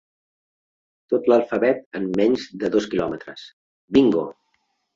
Tot l'alfabet en menys de dos km. Bingo!